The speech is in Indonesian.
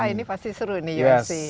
wah ini pasti seru nih ufc